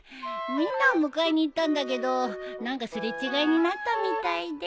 みんなを迎えに行ったんだけど何か擦れ違いになったみたいで。